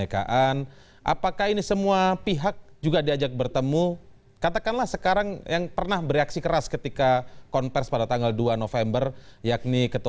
kami di luar pemerintahan